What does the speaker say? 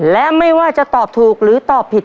และไม่ว่าจะตอบถูกหรือตอบผิด